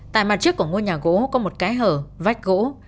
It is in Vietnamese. tại mặt chiếc của ngôi nhà gỗ có một cái hở vách gỗ